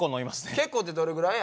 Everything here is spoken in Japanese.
結構ってどれぐらいや？